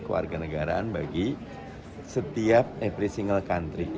keluarga negaraan bagi setiap every single country